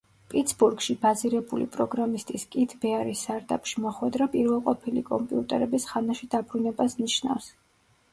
პიცბურგში ბაზირებული პროგრამისტის კით ბეარის სარდაფში მოხვედრა პირველყოფილი კომპიუტერების ხანაში დაბრუნებას ნიშნავს.